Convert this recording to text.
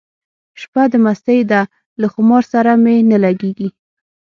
شپه د مستۍ ده له خمار سره مي نه لګیږي